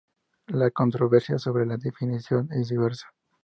La controversia sobre la definición es diversa.